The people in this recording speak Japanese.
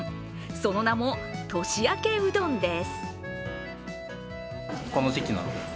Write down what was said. その名も、年明けうどんです。